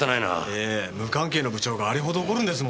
ええ無関係な部長があれほど怒るんですもんねぇ。